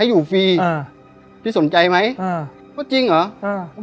อยู่ฟรีอ่าพี่สนใจไหมอ่าก็จริงเหรออ่า